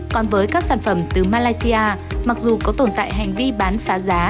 còn với các sản phẩm từ malaysia mặc dù có tồn tại hành vi bán phá giá